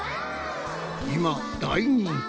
今大人気。